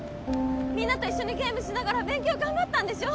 みんなと一緒にゲームしながら勉強頑張ったんでしょ